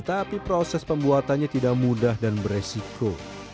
tapi proses pembuatannya tidak mudah dan beresiko